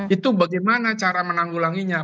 itu bagaimana cara menanggulanginya